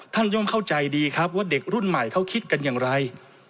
ย่อมเข้าใจดีครับว่าเด็กรุ่นใหม่เขาคิดกันอย่างไร